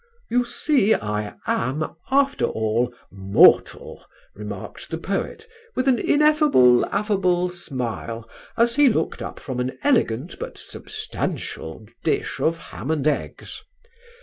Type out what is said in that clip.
"'You see I am, after all, mortal,' remarked the poet, with an ineffable affable smile, as he looked up from an elegant but substantial dish of ham and eggs.